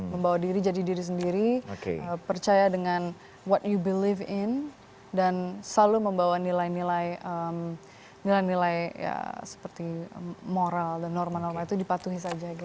membawa diri jadi diri sendiri percaya dengan what you believe in dan selalu membawa nilai nilai nilai nilai ya seperti moral dan norma norma itu dipatuhi saja oke oke oke terima kasih